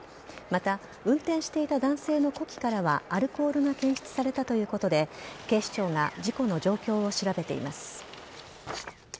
また運転していた男性の呼気からはアルコールが検出されたということで警視庁が事故の状況を調べています。